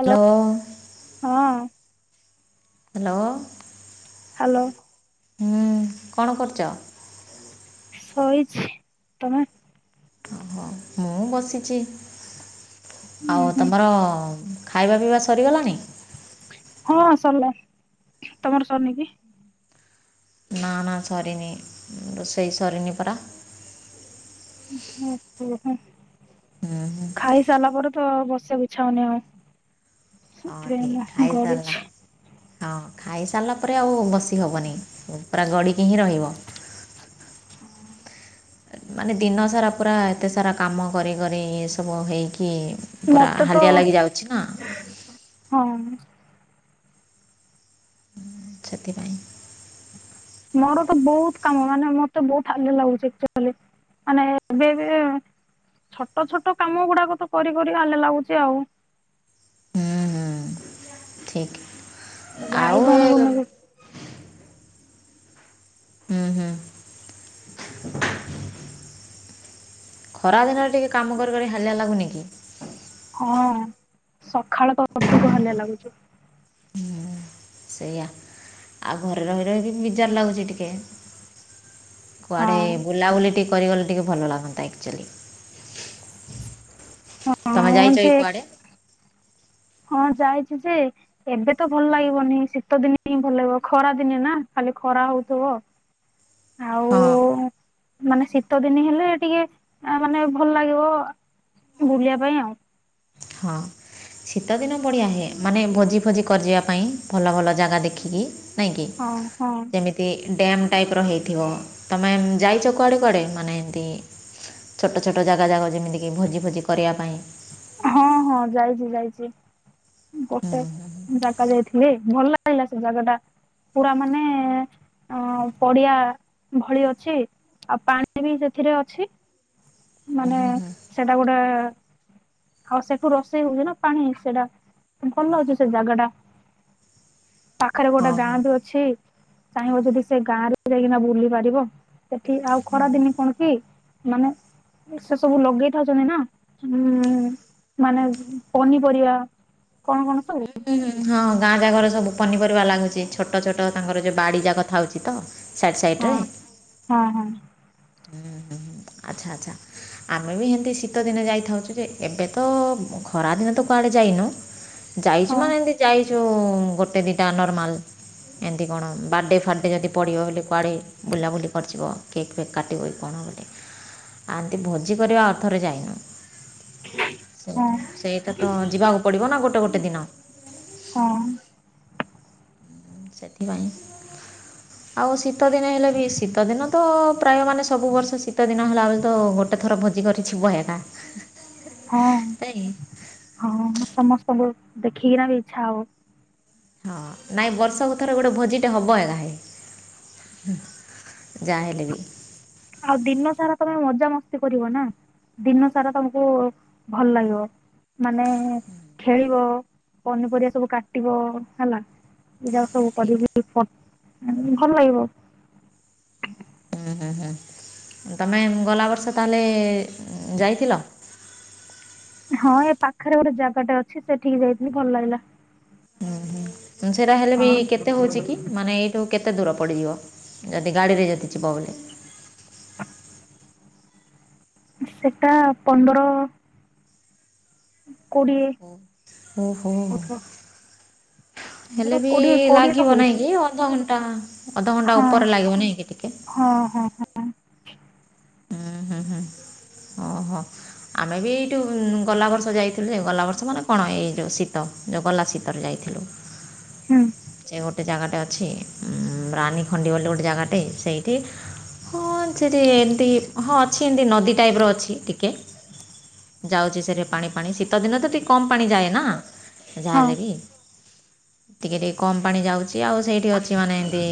Hello ହଁ hello hello ହୁଁ କଣ କରୁଛ? ଶୋଇଛି, ତମେ? ଓହୋ, ମୁଁ ବସିଛି, ହୁଁ ଆଉ ହୁଁ ତମର ଖାଇବା ପିଇବା ସରିଗଲାଣି? ହଁ ସରିଲାଣି, ତମର ସରନି କି? ନା ନା ସରିନି ରୋଷେଇ ସରିନି ପରା। [unintelligible] ହୁଁ ହୁଁ ଖାଇ ସାରିଲା ପରେ ତ ବସିବାକୁ ଇଛାହଉନି ଆଉ, ହଁ ସେଥିପାଇଁ ଠିକ୍ ମୁଁ ଖାଇସାରିଲା ଗଡୁଛି। ହଁ ଖାଇସାରିଲା ପରେ ଆଉ ବସିହବନି ପୁରା ଗଡିକି ହିଁ ରହିବ। ମାନେ ଦିନ ସାରା ପୁରା ଏତେ ସାରା କାମ କରି କରି ଏସବୁ ହେଇକି ପୁରା ମତେ ତ ହାଲିଆ ଲାଗିଯାଉଛି ନା ହଁ। ସେଥିପାଇଁ। ମୋର ତ ବହୁତ କାମ ମାନେ ମତେ ବହୁତ ହାଲିଆ ଲାଗୁଛି [unintelligible] ମାନେ ଏବେ ବି ଛୋଟ ଛୋଟ କାମ ଗୁଡାକ ତ କରି କରି ଲାଗୁଛି ଆଉ। ହୁଁ ହୁଁ ଭାଇ ଭ ହେଇଗଲ। ହୁଁ ହୁଁ। ଖରା ଦିନରେ ଟିକେ କାମ କରି କରି ହାଲିଆ ଲାଗୁନି କି? ହଁ ସଖାଳ ତ ଅଧିକ ହଲିଆ ଲାଗୁଛି। ସେଇଆ ଆଉ ଘରେ ରହି ରହି ବି ମିଜାର ଲାଗୁଛି ଟିକେ। ହଁ କୁଆଡ଼େ ବୁଲାବୁଲି ଟିକେ କରିଗଲେ ଟିକେ ଭଲ ଲାଗନ୍ତା ଆକ୍ଚୁଆଲି। ତମେ ହଁ ଯାଇଛ କି ଯେ କୁଆଡେ? ହଁ ଯାଇଛି ଯେ ଏବେ ତ ଭଲ ଲାଗିବନି, ଶୀତ ଦିନେ ଟି ଭଲ ଲାଗିବ ଖରା ଦିନେ ନା ଖାଲି ଖରା ହଉଥବ ଆଉ। ହଁ ଙ୍କ, ମାନେ ଶୀତ ଦିନ ହେଲେ ଟିକେ ମାନେ ଭଲ ଲାଗିବ ବୁଲିବା ପାଇଁ ଆଉ। ହଁ ଶୀତଦିନ ବଢ଼ିଆ ହେ, ମାନେ ଭୋଜି ଫୋଜି କରିିବା ପାଇଁ ଭଲ ଭଲ ଜାଗା ଦେଖିକି। ନାଇଁ କି ହଁ ହଁ ଯେମିତି ଏ ଡ୍ୟାମ୍ ଟାଇପି ର ହେଇଥିବ, ତମେ ଯାଇଛ କୁଆଡ଼େ କୁଆଡ଼େ ମାନେ ଏମିତି ଛୋଟ ଛୋଟ ଜାଗା ଯାଗ ଯେମିତିକି ଭୋଜି ଭୋଜି କରିବା ପାଇଁ। ହଁ ହଁ ଯାଇଛି ଯାଇଛି ହୁଁ ଗୋଟେ ଜାଗା ଯାଇଥି ଚୁନି ଭଲ ଲାଗିଲା ସେ ଜାଗା ଟା ପୁରା ମାନେ ଅ ପଡିଆ ଭଳି ଅଛି ଆଉ ପାଣି ବି ସେଥିରେ ଅଛି। ମାନେ ସେଟା ଗୋଟେ ଆଉ ସେଠୁ ରୋଷେଇ ହଉଚି ନା ପାଣି ସେଇଟା ଭଲ ଅଛି ସେ ଜାଗା ଟା। ହ ପାଖରେ ଗୋଟେ ଗାଁ ବି ଅଛି ଚାହିଁବ ଯଦି ସେ ଗାଁ ରେ ଯାଇକିନା ବୁଲି ପାରିବ। ସେଠି ଆଉ ଖରା ଦିନେ କଣ କି ମାନେ ସେ ସବୁ ଲଗେଇ ଥାଉଚନ୍ତି ନା ମାନେ ପନିପରିବା କଣ କଣ ସବୁ ହୁଁ ହୁଁ ହଁ ଗାଁ ଜାଗରେ ସବୁ ପନିପରିବା ଲାଗୁଛି ଛୋଟ ଛୋଟ ତାଙ୍କର ଯୋଉ ବାଡି ଯାକ ଥାଉଚି ତ। ସାଇଟ୍ ସାଇଟରେ ହଁ ହଁ ହଁ ହ ହ ଆଚ୍ଛା ଆଚ୍ଛା। ଆମେ ବି ହେମତି ଶୀତ ଦିନେ ଯାଇଥାଉଚୁ ଯେ ଏବେ ତ ଖରା ଦିନେ ତ କୁଆଡେ ଯାଇନୁ। ଯାଇଚୁ ହଁ ମାନେ ଏମିତି ଯାଇଚୁ ଗୋଟେ ଦିଟା ନର୍ମାଲ। ଏମିତି କଣ ବାର୍ଥଡ଼େ ଫାର୍ଡ଼େ ଯଦି ପଡ଼ିବ ହେଲେ କୁଆଡ଼େ ବୁଲାବୁଲି କରିଯିବ କେକ୍ ଫେକ୍ କାଟିବ କି କଣ ଗୋଟେ। ଆତି ଭୋଜି କରିବା ଅର୍ଥରେ ଯାଇନୁ। ସେଇଟା ସେଇଟା ତ ଯିବାକୁ ପଡିବ ନା ଗୋଟେ ଗୋଟେ ଦିନ। ହଁ। ସେଥିପାଇଁ ଆଉ ଶୀତଦିନ ହେଲେ ବି ଶୀତଦିନ ତ ପ୍ରାୟ ମାନେ ସବୁ ବର୍ଷ ଶୀତ ଦିନ ହେଲାବେଳେ ତ ଗୋଟେ ଗୋଟେ ଥର ଭଜି କରିଛି ବ ହେ ଏକ। ହଁ ହଁ ସମସ୍ତଙ୍କୁ ଦେଖିକିନା ବି ଇଛା ହବ। ହଁ ନାଇଁ ବର୍ଷକୁ ଥର ଗୋଟେ ଭୋଜିଟା ହେବ ହେ କାହିଁ ଯାହା ହେଲେ ବି। ଆଉ ଦିନ ସାରା ତମେ ମଜା ମସ୍ତି କରିବ ନା ଦିନ ସାରା ତମକୁ ଭଲ ଲାଗିବ। ମାନେ ଖେଳିବ ପନିପରିବା ସବୁ କାଟିବ ହେଲା। ଏଟାକ ସବୁ ଠିକ୍ କରିକି ଭଲ ଲାଗିବ। ହୁଁ ହୁଁ ହୁଁ। ତମେ ଗଲା ବର୍ଷ ତାହେଲେ ଯାଇଥିଲ? ହୁଁ ହଁ ଏ ପାଖରେ ଗୋଟେ ଜାଗାଟେ ଅଛି ସେଠିକି ଯାଇଥିଲି ଭଲ ଲାଗିଲା। ହୁଁ ହୁଁ ସେଟା ହେଲେ ବି ହଁ କେତେ ହଉଚି କି ମାନେ ଏଇ। ତମକୁ କେତେ ଦୂର ପଡ଼ିଯିବ ଯଦି ଗାଡ଼ିରେ ଯଦି ଯିବ ବୋଲି? ସେଟା ପନ୍ଦର କୋଡିଏ ଓହୋ ହୋ। ହଉଥିବ। ପନ୍ଦର ହେଲେ ବି କୋଡିଏ କୋଡିଏ ତ ଲାଗିବ ନା ହଉଥିବ କି ଅଧଘଣ୍ଟା ଅଧଘଣ୍ଟା ହଁ ଉପରେ ଲାଗିବ ନାହିଁ କି ଟିକେ। ହଁ ହଁ ହଁ ହୁଁ ହୁଁ ହୁଁ ଓହୋ। ଆମେ ବି ଏଇଠୁ ଗଲା ବର୍ଷ ଯାଇଥିଲୁ ଯେ ଗଲା ବର୍ଷ ମାନେ କଣ ଏଇ ଯୋଉ ଶୀତ ଯୋଉ ଗଲା ଶୀତରେ ଯାଇଥିଲୁ। ହୁଁ [unintelligible] ଗୋଟେ ଜାଗାଟେ ଅଛି ରାନୀ ଖଣ୍ଡି ବୋଲି ଗୋଟେ ଜାଗାଟେ ସେଇଠି ହଁ ସେଠି ଏମତି ହଁ ଅଛି ଏମତି ନଦୀ ଟାଇପ ର ଅଛି। ଟିକେ ଯାଉଚି ସେଠି ପାଣି ପାଣି ଶୀତଦିନ ତ ଟିକିେ କମ୍ ପାଣି ଯାଏ ନା। ହଁ ଯାହାହଲେ ବି ଟିକେ ଟିକେ କମ୍ ପାଣି ଯାଉଚି କି ଆଉ ସେଇଠି ଅଛି ମାନେ ଏମତି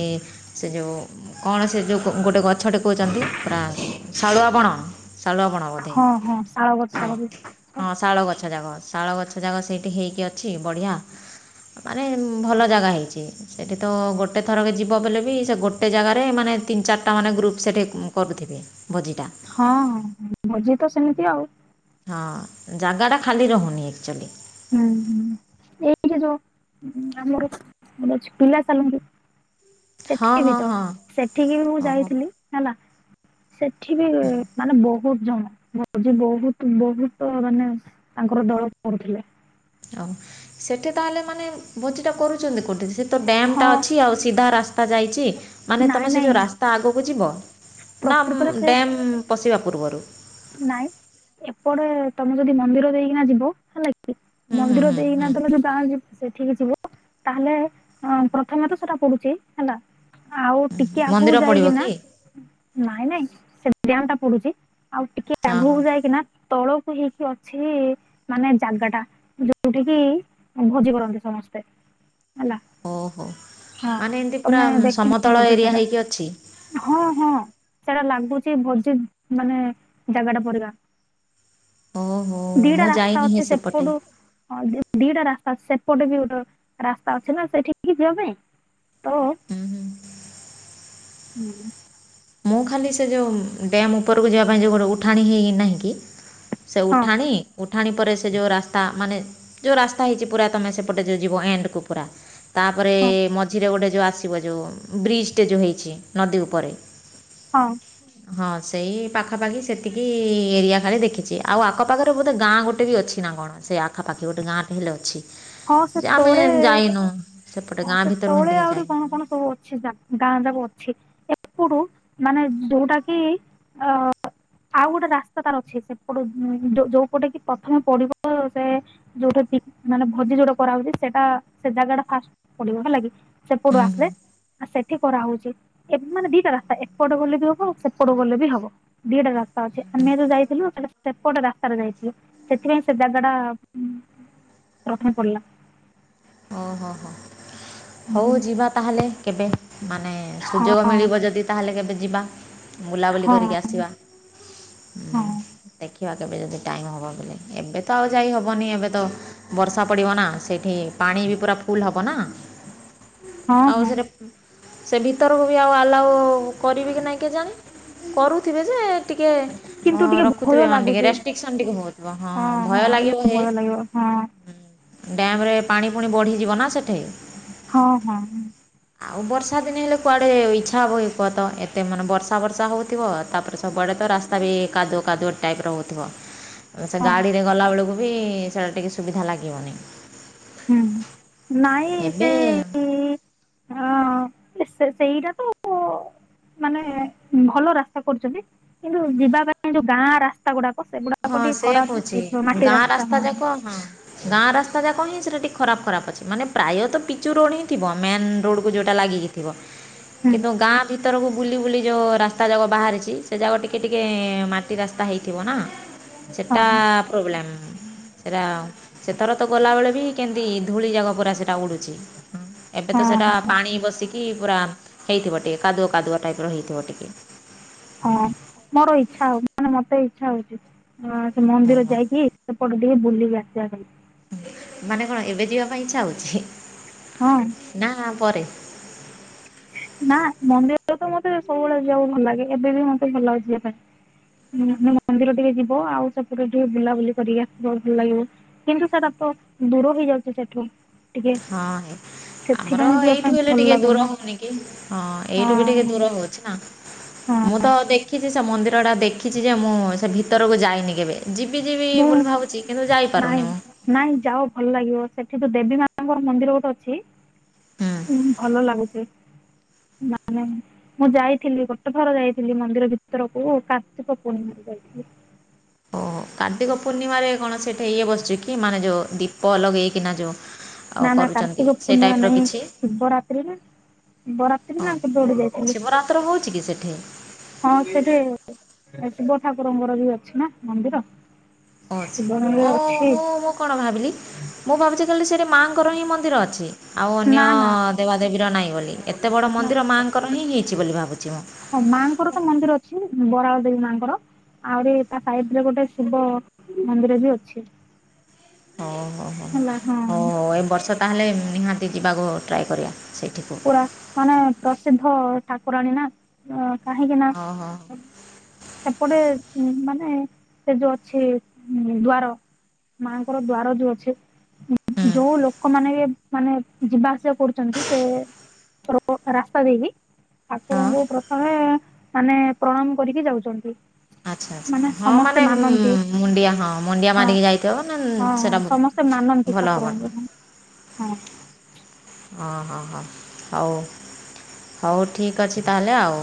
ସେ ଯୋଉ କଣ ସେ ଯୋଉ ଗୋଟେ ଗଛଟେ କୋହୁଚନ୍ତି? ପ୍ରା ଶାଳୁଆବଣ ଶାଳୁଆବଣ। ହଁ ହଁ ଶାଳ ବରସ [unintelligible] ହଁ ଶାଳ ଗଛ ଯାକ ଶାଳ ଗଛ ଯାକ ସେଇଠି ହେଇକି ଅଛି ବଢ଼ିଆ ମାନେ ଭଲ ଜାଗା ହେଇଛି। ସେଇଠି ତ ଗୋଟେ ଥରକ ଯିବ ବଲେ ବି ସେ ଗୋଟେ ଜାଗାରେ ମାନେ ତିନି ଚାରିଟା ମାନେ ଗ୍ରୁପ୍ ସେଇଠି କରୁଥିବେ। ବଜିଟା। ହଁ, ଭୋଜି ତ ସେମିତି ଆଉ। ହଁ ଜାଗାଟା ଖାଲି ରହୁନି ଆକ୍ଚୁଆଲି। ହୁଁ, ହୁଁ। ଏଇଠି ଯୋଉ ଆମର ଆମଛି ପିଲା ଚାଲନ୍ତି। ହଁ ସେଠିକି ବି ହଁ ତ, ହଁ ସେଠିକି ବି ମୁଁ ଓହୋ ଯାଇଥିଲି ହେଲା। ସେଠି ବି-ଇ ହୁଁ ମାନେ ବହୁତ। ଜଣ ଭଜି ବହୁତ ବହୁତ ମାନେ ତାଙ୍କର ଦଳ କରୁଥିଲେ। ହଉ ସେଠି ତାହେଲେ ମାନେ ଭୋଜିଟା କରୁଛନ୍ତି କୋଉଠି? ସେ ତ ଡ୍ୟାମ୍ ଟା ହଁ ଅଛି ଆଉ ସିଧା ରାସ୍ତା ଯାଇଚି, ମାନେ ନାଇଁ ତମେ ସେ ନାଇଁ ଯୋଉ ରାସ୍ତା ଆଗକୁ ଯିବ। ନା ପ୍ରକୃତରେ ସେ ଡ୍ୟାମ୍ ପଶିବା ପୂର୍ବରୁ। ନାଇଁ, ଏପଟେ ତମେ ଯଦି ମନ୍ଦିର ଦେଇକିନା ଯିବ ହେଲାକି ହୁଁ ହୁଁ ମନ୍ଦିର ହୁଁ ଦେଇକିନା ହୁଁ ତମେ ଯଉ ଗାଁ ଯିବ୍ ସେଠିକି ଯିବ, ତାହେଲେ ପ୍ରଥମେ ତ ସେଟା ପଡୁଛି ହେଲା ଆଉ ଟିକେ ଆଗକୁ ମନ୍ଦିର ପଡ଼ିବ ଯାଇକି ନା କି ନାଇଁ ନାଇଁ ସେଟି ଡ୍ୟାମ୍ ଟା ପଡୁଛି, ଆଉ ଟିକେ ହଁ ଆଗକୁ ହଁ ଯାଇକିନା ତଳ ହେଇକି ଅଛି ମାନେ ଜାଗା ଟା, ଯୋଉଠି କି ଭୋଜି କରନ୍ତି ସମସ୍ତେ। ହେଲା ହଉ ହଉ ହଁ, ମାନେ ଏମିତି ପୁରା ତମେ ଦେଖିନ ସମତଳ ବୋଧେ ଏରିଆ ସେଟା! ହେଇକି ଅଛି ହଁ, ହଁ, ସେଟା ଲାଗୁଛି ଭୋଜି ମାନେ ଜାଗାଟା ପରିକା ଓହୋ ଦିଟା ମୁଁ ରାସ୍ତା ଯାଇନି ହେ ଅଛି ସେପଟେ ସେପଟୁ ହଁ, ଦି ଦିଟା ରାସ୍ତା ଅଛି ସେପଟେ ବି ଗୋଟେ ରାସ୍ତା ଅଛି ନା ସେଠିକି ଯିବାପାଇଁ ତ ହୁଁ ହୁଁ ହୁଁ। ମୁଁ ଖାଲି ସେ ଯେଉଁ ଡ୍ୟାମ୍ ଉପରକୁ ଯିବା ପାଇଁ ଯେଉଁ ଗୋଟେ ଉଠାଣି ହେନାହିଁକ କି! ସେ ହଁ ଉଠାଣି ଉଠାଣି ପରେ ସେ ଯଉ ରାସ୍ତା, ମାନେ ଯଉ ରାସ୍ତା ହେଇଛି ପୁରା ତୁମେ ସେପଟେ ଯେ ଯିବ ଏଣ୍ଡକୁ ପୁରା ତାପରେ ହଁ ମଝିରେ ଗୋଟେ ଯଉ ଆସିବ ଯଉଁ ବ୍ରିଜଟେ ଯେଉ ହେଇଛି ନଦୀ ଉପରେ। ହଁ। ହଁ, ସେଇ ପାଖାପାଖି ସେତିକି ଏରିଆ ଖାଲି ଦେଖିଛି। ଆଉ ଆଖପାଖରେ ବୋଧେ ଗାଁ ଗୋଟେ ବି ଅଛି। କି ନା କଣ! ସେ ଆଖାପାଖି ଗୋଟେ ଗାଁ ଟେ ହେଲେ ଅଛି। ହଁ, ସେ ଯେ ଆମେ ତଳେ, ଯାଇନୁ ସେପଟେ ହଁ ଗାଁ ସେ ଭିତରକୁ ତଳେ ଏମିତିକି ଆହୁରି ଯାଇନୁ କଣ ଆମେ କଣ ସବୁ ଅଛ୍? ସେ ଗାଁ ଯାଗ ଅଛି ଏପଡୁ ମାନେ ଯଉଟାକି ଅ ଆଉ ଗୋଟେ ରାସ୍ତା ତାର ଅଛି ସେପଟୁ ଉଁ, ଯୋଉପଟେ କି ପ୍ରଥମେ ପଡିବ ସେ ଯୋଉଟା କି ମାନେ ଭୋଜି ଯୋଉଠେ କରା ହଉଛି, ସେଟା ସେ ଜାଗା ଟା ଫାଷ୍ଟ୍ ପଡିବ ହେଲାକି, ସେପଟୁ ହୁଁ ଆସିଲେ ହୁଁ ଆ ସେଠି କରାହଉଛି। ଏ ବେ ମାନେ ଦିଟା ରାସ୍ତା, ଏପଟ ଗଲେ ବି ହବ ଆ ସେପଟେ ଗଲେ ବି ହବ। ଦିଟା ରାସ୍ତା ଅଛି, ଆମେ ଯୋଉ ଯାଇଥିଲୁ ସେପଟେ ରାସ୍ତାରେ ଯାଇଥିଲୁ। ସେଥିପାଇଁ ସେ ଜାଗଡା ପ୍ରଥମେ ପଡିଲା। ଓ ହୋ, ହୋ। ହଉ ଯିବା ତାହେଲେ କେବେ, ମାନେ ହଁ ସୁଯୋଗ ମିଳିବ ଯଦି ତାହେଲେ କେବେ ଯିବା? ବୁଲାବୁଲି ହଁ କରିକି ଆସିବା। ହୁଁ ହଁ ଦେଖିବା କେବେ ଯଦି ଟାଇମ୍ ହେବ ବେଲେ? ଏବେ ତ ଆଉ ଯାଇ ହବନି ଏବେ ତ ବର୍ଷା ପଡିବ ନା, ସେଇଠି ପାଣି ବି ପୁରା ଫୁଲ ହବ ନା। ହଁ ଆଉ ହଁ ଥରେ ସେ ଭିତରକୁ ବି ଆଉ ଆଲାଉ କରିବି କି ନାଇଁ କେ ଜାଣି କରୁଥିବେ ଯେ ଟିକେ ଅ କିନ୍ତୁ ଟିକେ ଭୟ ରଖୁଥିବେ ମାନେ ଟିକେ ଲାଗୁଛି ରେଷ୍ଟ୍ରିକସନ ଟିକେ ହଉଥିବ ହଁ ହଁ ଭୟ ଲାଗିବ ଟିକେ ହେ। ଭୟ ଲାଗିବ ହଁ ଡ୍ୟାମ୍ ରେ ପାଣି ପୁଣି ବଢିଯିବ ନା ସେଠି। ହଁ, ହଁ। ଆଉ ବର୍ଷା ଦିନେ ହେଲେ କୁଆଡେ ଇଚ୍ଛା ହବ ହେ କୁହ ତ ଏତେ ମାନେ ବର୍ଷା ଫର୍ଷା ହଉଥିବ ତାପରେ। ସବୁ ଆଡେ ତ ରାସ୍ତା ବି କାୁଦୁଅ କାୁଦୁଆ ଟାଇପ୍ ର ହଉଛି। ସେ ହଁ ଗାଡ଼ିରେ ଗଲାବେଳକୁ ବି ସେଇଟା ଟିକେ ସୁବିଧା ଲାଗିବନି। ହୁଁ, ହୁଁ, ନାଇଁ ସେ [inaudible] ହଁ ସେ -ସେଇଟା ତ ମାନେ ଭଲ ରାସ୍ତା କରୁଛନ୍ତି କିନ୍ତୁ ଯିବା ପାଇଁ ଯୋଉ ଗାଁ ରାସ୍ତା ଗୁଡାକ ସେଗୁଡାକ ହଁ ଟିକେ ସେଇଆ ଖରାପ କହୁଛି ହେଇଥିବ ମାଟି ଗାଁ ରାସ୍ତା ହଁ ଯାକ ହଁ ଗାଁ ରାସ୍ତା ଯାକ ହିଁ ସେଟା ଟିକେ ଖରାପ୍ ଖରାପ୍ ଅଛି ମାନେ ପ୍ରାୟତ ପିଚୁ ରୋଡ ଥିବ ମେନ୍ ରୋଡୁ କୁ ଯୋଉଟା ଲାଗିକି। ଥିବ ହୁଁ କିନ୍ତୁ ଗାଁ ଭି ଭିତରକୁ ବୁଲି ବୁଲି ଯୋଉ ରାସ୍ତା ଯାକ ବାହାରିଛି ସେ ଯାଗକ ଟିକେ ଟିକେ ମାଟି ରାସ୍ତା ହେଇଥିବ ନା। ହଁ ସେଟା ପ୍ରୋବ୍ଲେମ୍। ସେଟା ସେଥର ତ ଗଲାବେେଳେ ବି କେମିତି ଧୂଳି ଜାଗା ପୁରା ସେଟା ଉଡୁଛି। ଏବେ ହଁ ତ ସେଇଟା ହଁ ପାଣି ବସିକି ପୁରା ହେଇଥିବ ଟିକେ କାଦୁଅ କାଦୁଅ ଟାଇପ୍ ର ହେଇଥିବ ଟିକେ। ହଁ ମୋର ଇଚ୍ଛା ହଉ ମାନେ ମତେ ଇଚ୍ଛା ହଉଛି ମାନେ ସେ ମନ୍ଦିର ଓହୋ, ଯାଇକି ସେପଟୁ ଟିକେ ବୁଲିିକି ଆସିବା ପାଇଁ। ମାନେ କଣ ଏବେ ଯିବା ପାଇଁ ଇଚ୍ଛା ହଉଛି। ହଁ। ନା ପରେ। ନା ମନ୍ଦିରରେ ତ ମତେ ସବୁବେଳେ ଯିବାକୁ ଭଲ ଲାଗେ ଏବେ ବି ମତେ ଭଲ ଲାଗେ ଯିବା ପାଇଁ। ହୁଁ ମନ୍ଦିର ଟିକେ ଯିବ ଆଉ ସେପୁରରେ ଟିକେ ବୁଲାବୁଲି କରିକି ଆସିବ ଭଲ ଲାଗିବ। କିନ୍ତୁ ସେଟା ତ ଦୂର ହେଇଯାଉଛି ସେଠୁ ଟିକେ ହଁ ଆମର ସେଥିପାଇଁ ଯିବା ଏଇଠୁ ପାଇଁ ହେଲେ ଭଲ ଟିକେ ଦୂର ଲାଗୁନି ହଉନି କି ହଁ ଏଇଠୁ ବି ଟିକେ ଦୂର ହଉ। ନା ହଁ ମୁଁ ତ ଦେଖିଛି ସେ ମନ୍ଦିର ଟା ଦେଖିଛି ଯେ ମୁଁ ସେ ଭିତରକୁ ଯାଇନି କେବେ। ଯିବି ଯିବି ମୁଁ ବୋଲି ଭାବୁଛି କିନ୍ତୁ ନାଇଁ ଯାଇପାରୁନି ମୁଁ। ନାଇଁ ଯାଅ ଭଲ ଲାଗିବ ସେଠି ତ ଦେବୀ ମାଙ୍କର ମନ୍ଦିର ଗୋଟେ ଅଛି। ହୁଁ, ଭଲ ଲାଗୁଛି ନା ନାଇଁ। ମୁଁ ଯାଇଥିଲି ଗୋଟେ ଥର ଯାଇଥିଲି ମନ୍ଦିର ଭିତରକୁ କାର୍ତ୍ତିକ ପୁଣିମା ରେ ଯାଇଥିଲି। ଓ କାର୍ତ୍ତିକ ପୂର୍ଣ୍ଣିମାରେ କଣ ସେଠା ଇଏ ବସିଛି କି ମାନେ ଯୋଉ ଦୀପ ଲଗେଇକିନା ଯୋଉ ଆଉ ନା ନା କରୁଛନ୍ତି କାର୍ତ୍ତିକ ସେ ପୂର୍ଣିମା ଟାଇପ୍ର ନାହିଁ କିଛି ଶିବ ରାତ୍ରି ରେ। ଶିବ ରାତ୍ରି ହଁ ନ ଆଉ କେବେ ଗୋଟେ ଯାଇଥିଲି। ଶିବରାତ୍ର ହେଉଛି କି ସେଠି ହଁ ସେଇଠି ଶିବ ଠାକୁରଙ୍କର ବି ଅଛି ନା ମନ୍ଦିର। ହଁ ଅଛି ଶିବ ମନ୍ଦିର ଅ ଅଛି ମୁଁ ମୁଁ କଣ ଭାବିଲି? ମୁ ଭାବୁଛି ଖାଲି ସେଟା ମାଙ୍କର ହିଁ ମନ୍ଦିର ଅଛି। ଆଉ ଅନ୍ୟ ନା ନା ଦେବା ଦେବୀର ନାହିଁ ବୋଲି ଏତେ ବଡ଼ ମନ୍ଦିର ମାଆଙ୍କର ହିଁ ହେଇଛି ବୋଲି ଭାବୁଛି ମୁଁ। ହଁ ମାଙ୍କର ତ ମନ୍ଦିର ଅଛି ବରାଳ ଦେବୀ ମାଙ୍କର ଆହୁରି ତା ସାଇଟ୍ ରେ ଗୋଟେ ଶିବ ମନ୍ଦିର ବି ଅଛି। ହଉ ହଉ ହଉ ହେଲା ହଁ ହଉ ହଉ ଏ ବର୍ଷ ତାହେଲେ ନିହାତି ଯିବାକୁ ଟ୍ରାଏ କରିବା ସେଇଠିକୁ। ପୁରା ମାନେ ପ୍ରସିଦ୍ଧ ଠାକୁରାଣୀ ନା ଅ କାହିଁକି ନା ହଉ ହଉ ସେପଟେ ମାନେ ସେ ଯୋଉ ଅଛି ଦ୍ୱାର। ମାଆଙ୍କର ଦ୍ୱାର ଯୋଉ ହୁଁ ଅଛି ଯୋଉ ଲୋକମାନେ ବି ମାନେ ଯିବା ଆସିବା କରୁଛନ୍ତି ସେ ରୋ ଡ଼ ରାସ୍ତା ଦେଇକି ହଁ ଠାକୁରଙ୍କୁ ପ୍ରଥମେ ମାନେ ପ୍ରଣାମ କରିକି ଯାଉଛନ୍ତି ଆଚ୍ଛା ଆଚଛା ମାନେ ହଁ ସମସ୍ତେ ମାନେ ମାନନ୍ତି ମୁଣ୍ଡିଆ ହଁ ମୁଣ୍ଡିଆ ହଁ ମାରିକି ଯାଇଥିବ ମାନେ ହଁ ହଁ ସେଟା ସମସ୍ତେ ମାନନ୍ତି ଠାକୁରଙ୍କୁ ହଁ ହଁ ହଁ ହଁ ହଉ ହଉ ଠିକ୍ ଅଛି ତାହେଲେ ଆଉ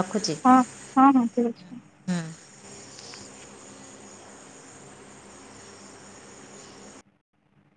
ରଖୁଛି ହଁ ହଁ ହଁ ଠିକ ଅଛି ହୁଁ